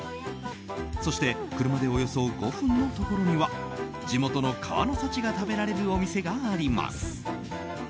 そして車で、およそ５分のところには地元の川の幸が食べられるお店があります。